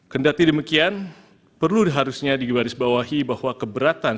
kendati demikian perlu harusnya digarisbawahi bahwa keberatan